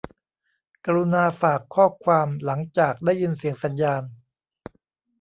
กรุณาฝากข้อความหลังจากได้ยินเสียงสัญญาณ